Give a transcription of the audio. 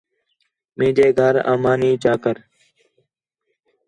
مینجے گھر آ مانی چا کر